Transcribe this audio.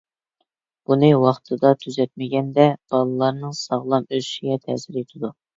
بۇنى ۋاقتىدا تۈزەتمىگەندە بالىلارنىڭ ساغلام ئۆسۈشىگە تەسىر يىتىدۇ.